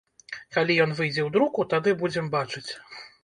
Калі ён выйдзе ў друку, тады будзем бачыць.